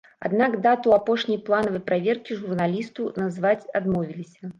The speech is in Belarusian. Аднак дату апошняй планавай праверкі журналісту назваць адмовіліся.